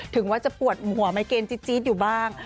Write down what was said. ถึงว่าจะปวดหัวไมเกณฑ์จี๊ดอยู่บ้าง